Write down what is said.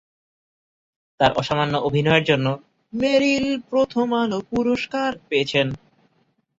তার অসামান্য অভিনয়ের জন্য মেরিল প্রথম আলো পুরস্কার পেয়েছেন।